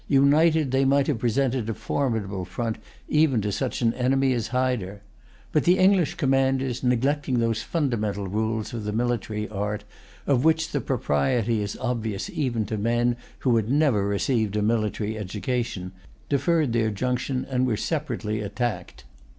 United, they might have presented a formidable front even to such an enemy as Hyder. But the English commanders, neglecting those fundamental rules of the military art of which the propriety is obvious even to men who had never received a military education, deferred their junction, and were separately attacked.